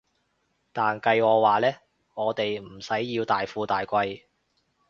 但計我話呢，我哋唔使要大富大貴